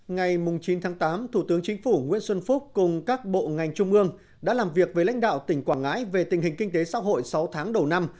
ngày chín tháng tám thủ tướng chính phủ nguyễn xuân phúc cùng các bộ ngành trung ương đã làm việc với lãnh đạo tỉnh quảng ngãi về tình hình kinh tế xã hội sáu tháng đầu năm